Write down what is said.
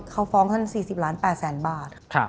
เขาฟ้องท่าน๔๐ล้าน๘แสนบาท